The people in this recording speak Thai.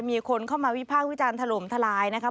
มีคนเข้ามาวิภาควิจารณ์ถล่มทลายนะคะ